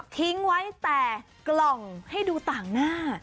ทิ้งไว้แต่กล่องให้ดูต่างหน้า